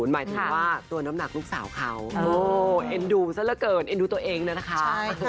หมายถึงว่าตัวน้ำหนักลูกสาวเขาเอ็นดูซะละเกินเอ็นดูตัวเองนะคะ